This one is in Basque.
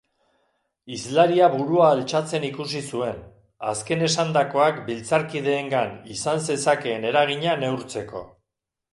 Hizlaria burua altxatzen ikusi zuen, azken esandakoak biltzarkideengan izan zezakeen eragina neurtzeko.